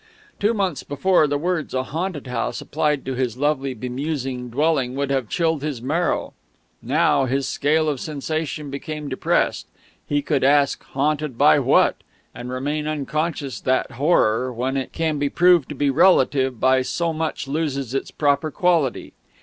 Two months before, the words "a haunted house," applied to his lovely bemusing dwelling, would have chilled his marrow; now, his scale of sensation becoming depressed, he could ask "Haunted by what?" and remain unconscious that horror, when it can be proved to be relative, by so much loses its proper quality.